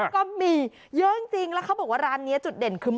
ก็มีเยอะจริงแล้วเขาบอกว่าร้านนี้จุดเด่นคือ